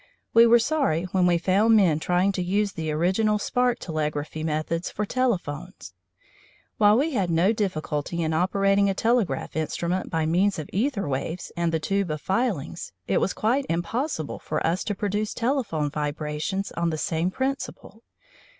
We were sorry when we found men trying to use the original spark telegraphy methods for telephones. While we had no difficulty in operating a telegraph instrument by means of æther waves and the tube of filings, it was quite impossible for us to produce telephone vibrations on the same principle.